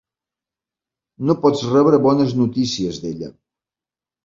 No pots rebre bones notícies d'ella.